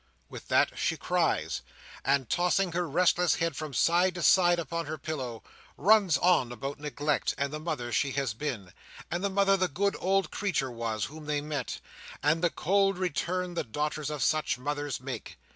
With that, she cries; and tossing her restless head from side to side upon her pillow, runs on about neglect, and the mother she has been, and the mother the good old creature was, whom they met, and the cold return the daughters of such mothers make.